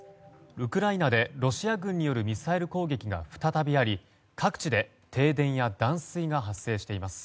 ウクライナでロシア軍によるミサイル攻撃が再びあり各地で停電や断水が発生しています。